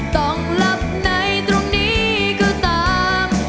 ต้องหลับในตรงนี้ก็ตาม